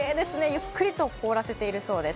ゆっくりと凍らせているそうです。